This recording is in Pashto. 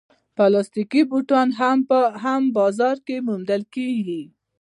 پلاستيکي بوټان هم بازار کې موندل کېږي.